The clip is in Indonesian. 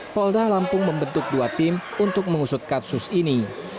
polda lampung membentuk dua tim untuk mengusut kasus ini